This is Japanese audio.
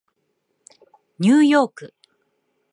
ニューヨーク